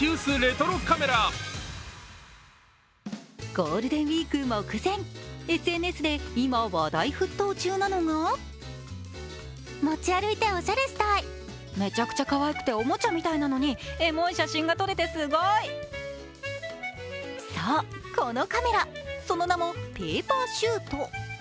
ゴールデンウイーク目前ＳＮＳで今、話題沸騰中なのがそう、このカメラ、その名もＰａｐｅｒＳｈｏｏｔ。